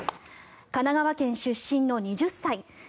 神奈川県出身の２０歳。